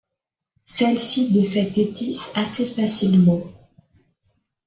Celle-ci défait Thétis assez facilement.